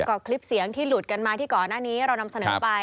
ก็คลิปเสียงที่หลุดกันมาที่ก่อนหน้านี้เรานำเสนอไป